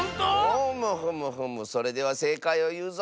ふむふむふむそれではせいかいをいうぞ。